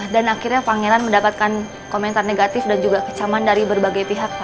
dan akhirnya pangeran mendapatkan komentar negatif dan juga kecaman dari berbagai pihak pa